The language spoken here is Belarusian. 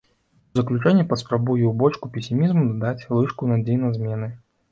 У заключэнне паспрабую ў бочку песімізму дадаць лыжку надзей на змены.